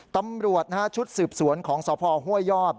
ตำรวจนะครับชุดสืบสวนของสภห้วยยอด